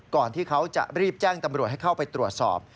ก่อนที่เขาจะรีบแจ้งตำรวจให้เข้าไปตรวจสอบ